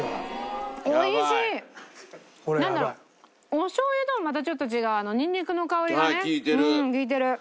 おしょう油ともまたちょっと違うニンニクの香りがね利いてる。